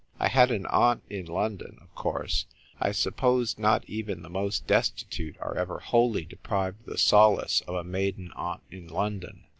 I had an aunt in London, of course ; I suppose not even the most desti tute are ever wholly deprived of the solace of a maiden aunt in London.